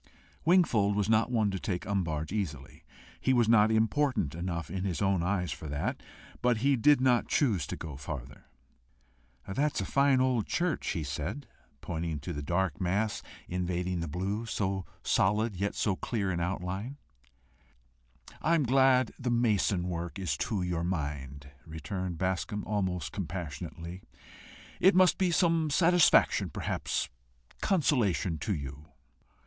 Wingfold was not one to take umbrage easily. He was not important enough in his own eyes for that, but he did not choose to go farther. "That's a fine old church," he said, pointing to the dark mass invading the blue so solid, yet so clear in outline. "I am glad the mason work is to your mind," returned Bascombe, almost compassionately. "It must be some satisfaction, perhaps consolation to you."